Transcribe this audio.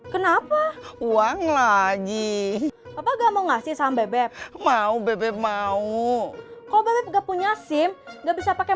kenapa uang lagi apa gak mau ngasih sampe beb mau bebek mau kok nggak punya sim nggak bisa pakai